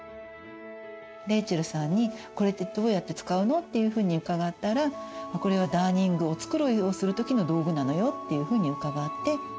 レイチェルさんにこれってどうやって使うの？っていうふうに伺ったらこれはダーニングお繕いをする時の道具なのよっていうふうに伺って。